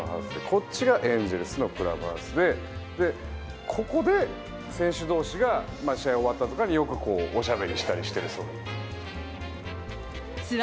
こっちがエンゼルスのクラブハウスでここで、選手同士が試合終わったあととかによくおしゃべりしたりしているそうです。